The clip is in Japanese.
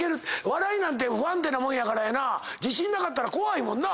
笑いなんて不安定なもんやからやな自信なかったら怖いもんな。